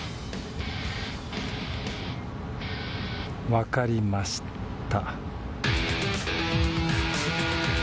わかりました。